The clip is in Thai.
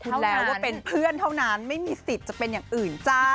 รู้แล้วว่าเป็นเพื่อนเท่านั้นไม่มีสิทธิ์จะเป็นอย่างอื่นจ้า